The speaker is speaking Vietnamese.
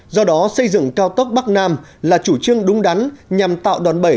do đó xây dựng cao tốc bắc nam là chủ trương đúng đắn nhằm tạo đòn bẩy